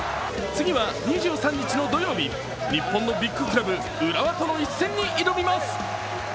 次は２３日の土曜日、日本のビッグクラブ、浦和との一戦に臨みます。